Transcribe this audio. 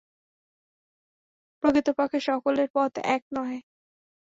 প্রকৃতপক্ষে সকলের পথ এক নহে।